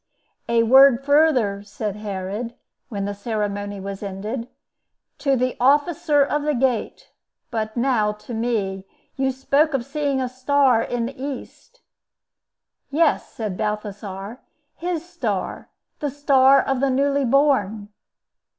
"A word further," said Herod, when the ceremony was ended. "To the officer of the gate, and but now to me, you spoke of seeing a star in the east." "Yes," said Balthasar, "his star, the star of the newly born."